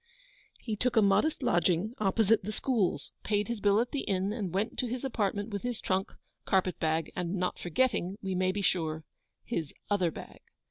He took a modest lodging opposite the Schools, paid his bill at the inn, and went to his apartment with his trunk, carpet bag, and not forgetting, we may be sure, his OTHER bag.